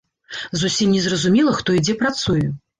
Зусім не зразумела, хто і дзе працуе.